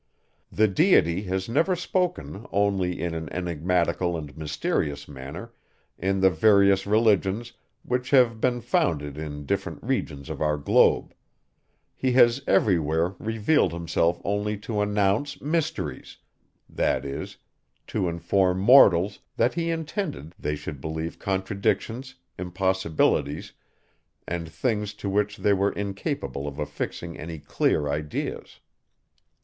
The Deity has never spoken only in an enigmatical and mysterious manner, in the various religions, which have been founded in different regions of our globe; he has everywhere revealed himself only to announce mysteries; that is, to inform mortals, that he intended they should believe contradictions, impossibilities, and things to which they were incapable of affixing any clear ideas.